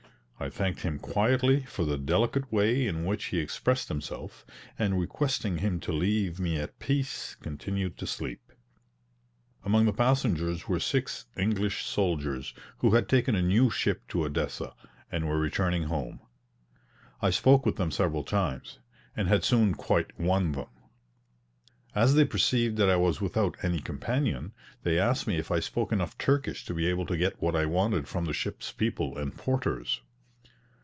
I thanked him quietly for the delicate way in which he expressed himself, and requesting him to leave me at peace, continued to sleep. Among the passengers were six English sailors, who had taken a new ship to Odessa, and were returning home. I spoke with them several times, and had soon quite won them. As they perceived that I was without any companion, they asked me if I spoke enough Turkish to be able to get what I wanted from the ship's people and porters.